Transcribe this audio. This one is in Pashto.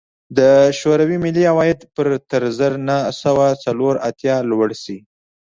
د شوروي ملي عواید به تر زر نه سوه څلور اتیا لوړ شي